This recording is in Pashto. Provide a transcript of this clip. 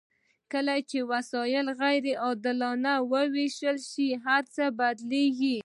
کله چې وسایل غیر عادلانه ویشل شوي وي هرڅه بدلیږي.